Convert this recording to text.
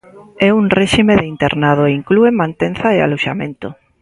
É un réxime de internado e inclúe mantenza e aloxamento.